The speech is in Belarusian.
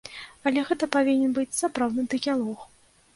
Але гэта павінен быць сапраўдны дыялог.